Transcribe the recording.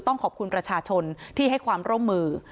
ต้องขอบคุณประชาชนที่ให้ความร่วมมือ